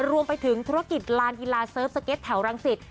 รวมไปถึงธุรกิจลานกีฬาเสิร์ฟสเก็ตแถวรังสิต